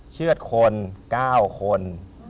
เชื่อดคน๙คน